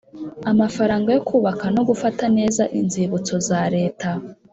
Amafaranga yo kubaka no gufata neza inzibutso za leta